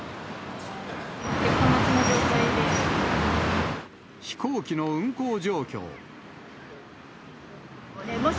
結果待ちの状態で。